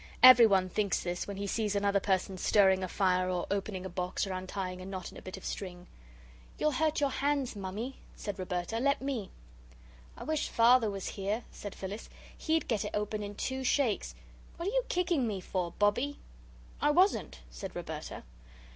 Everyone thinks this when he sees another person stirring a fire, or opening a box, or untying a knot in a bit of string. "You'll hurt your hands, Mammy," said Roberta; "let me." "I wish Father was here," said Phyllis; "he'd get it open in two shakes. What are you kicking me for, Bobbie?" "I wasn't," said Roberta.